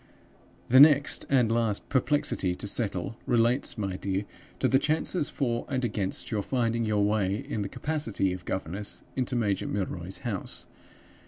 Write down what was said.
"The next, and last, perplexity to settle relates, my dear, to the chances for and against your finding your way, in the capacity of governess, into Major Milroy's house.